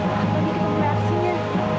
apa itu kemarsinya